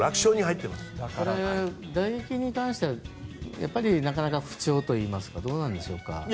打撃に関してはやっぱりなかなか不調というかどうなんでしょうか？